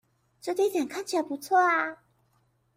這地點看起來不錯啊